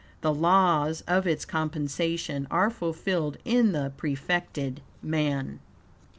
The laws of its compensation are fulfilled in the prefected man.